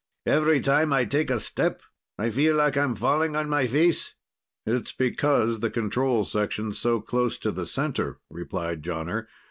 "Every time I take a step, I feel like I'm falling on my face." "It's because the control section's so close to the center," replied Jonner.